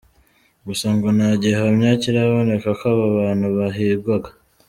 Gusa ngo nta gihamya kiraboneka ko aba bantu bahigwaga.